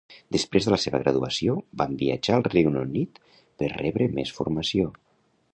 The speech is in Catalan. Després de la seva graduació van viatjar al Regne Unit per rebre més formació.